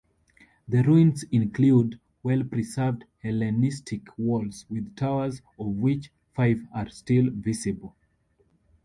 The ruins include well-preserved Hellenistic walls with towers, of which five are still visible.